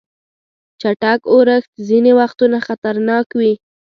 چټک اورښت ځینې وختونه خطرناک وي.